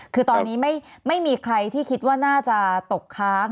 คือตอนนี้ไม่มีใครที่คิดว่าน่าจะตกค้าง